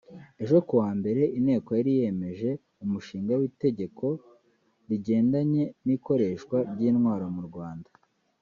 Ejo kuwa mbere Inteko yari yemeje umushinga w’itegeko rigendanye n’ikoreshwa ry’intwaro mu Rwanda